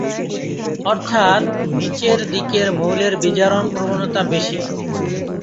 অর্থাৎ নিচের দিকের মৌলের বিজারণ প্রবণতা বেশী।